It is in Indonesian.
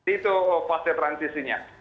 itu fase transisinya